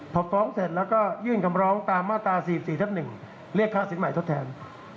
พอฟ้องเสร็จแล้วก็ยื่นคำร้องตามมาตรา๔๔ทับ๑เรียกค่าสินใหม่ทดแทน